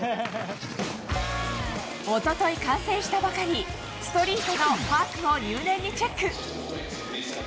おととい完成したばかり、ストリートのパークを入念にチェック。